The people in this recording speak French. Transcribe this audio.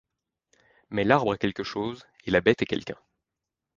Mais l’arbre est quelque chose et la bête est quelqu’un ;